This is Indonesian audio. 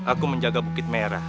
aku menjaga bukit merah